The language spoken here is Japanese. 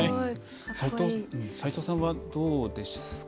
斎藤さんはどうですか。